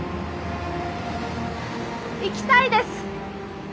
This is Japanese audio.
行きたいです！